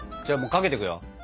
じゃあもうかけていくよ。